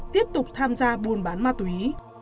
tiếp tục tham gia buôn bán ma túy